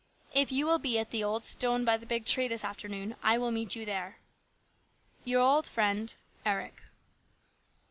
If you will be at the old stone by the big tree this afternoon, I will meet you there. *' Your old friend, " ERIC."